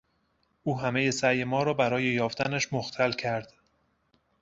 او همهی سعی ما را برای یافتنش مختل کرد.